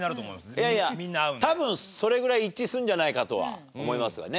いやいや多分それぐらい一致するんじゃないかとは思いますがね。